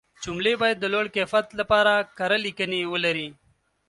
جملې باید د لوړ کیفیت لپاره کره لیکنې ولري.